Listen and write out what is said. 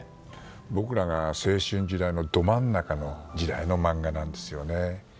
僕らが青春時代のど真ん中の時代の漫画なんですよね。